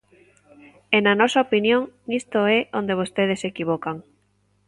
E na nosa opinión, nisto é onde vostedes se equivocan.